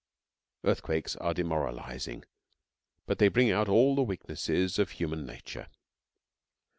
Earthquakes are demoralising; but they bring out all the weaknesses of human nature.